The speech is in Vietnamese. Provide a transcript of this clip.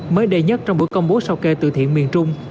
mới đầy nhất trong bữa công bố sâu kê từ thiện miền trung